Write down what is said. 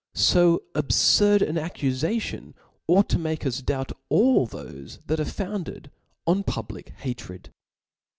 So abfurd an accufation ought to make us doubt of all thofe that are founded on public hatred.